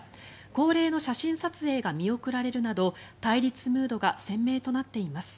恒例の写真撮影が見送られるなど対立ムードが鮮明となっています。